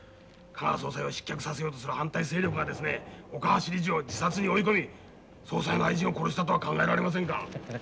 香川総裁を失脚させようとする反対勢力がですね岡橋理事を自殺に追い込み総裁の愛人を殺したとは考えられませんか？